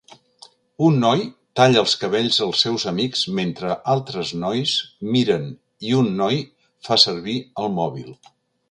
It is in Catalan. Un noi talla els cabells als seus amics mentre altres nois miren i un noi far servir el mòbil.